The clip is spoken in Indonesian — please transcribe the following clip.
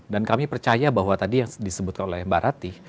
dan kami percaya bahwa tadi yang disebutkan oleh mbak rati